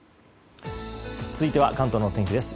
続いては関東のお天気です。